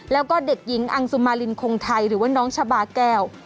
แล้วก็เด็กหญิงอังสุมารินคงไทยหรือว่าน้องชาบาแก้ว